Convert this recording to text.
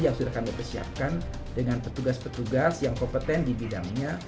yang sudah kami persiapkan dengan petugas petugas yang kompeten di bidangnya